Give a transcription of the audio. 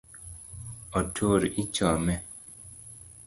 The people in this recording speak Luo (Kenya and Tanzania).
Otur ichome